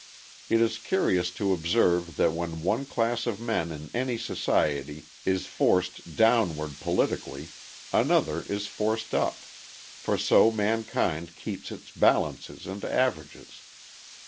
It is curious to observe that when one class of men in any society is forced downward politically, another is forced up: for so mankind keeps its balances and averages.